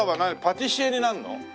パティシエになるの？